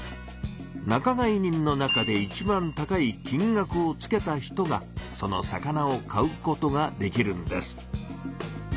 仲買人の中でいちばん高い金額をつけた人がその魚を買うことができるんです。